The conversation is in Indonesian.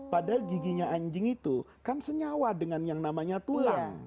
padahal giginya anjing itu kan senyawa dengan yang namanya tulang